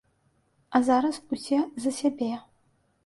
А зараз ўсе за сябе.